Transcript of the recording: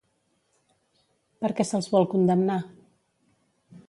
Per què se'ls vol condemnar?